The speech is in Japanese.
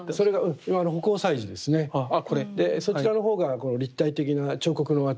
そちらの方が立体的な彫刻の跡が分かる。